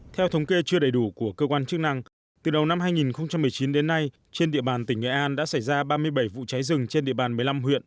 theo thống kê chưa đầy đủ của cơ quan chức năng từ đầu năm hai nghìn một mươi chín đến nay trên địa bàn tỉnh nghệ an đã xảy ra ba mươi bảy vụ cháy rừng trên địa bàn một mươi năm huyện